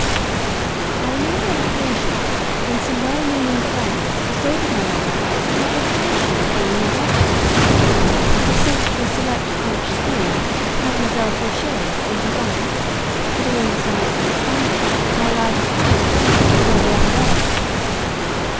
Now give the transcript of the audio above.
I remember an occasion when some well meaning friends persuaded my mother that my education was being neglected. I was sent to a select French school, Mademoiselle Fauchet's in Divan, but owing to some misunderstanding I arrived five days before the other girls.